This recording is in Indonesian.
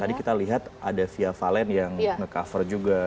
tadi kita lihat ada via valen yang ngecover juga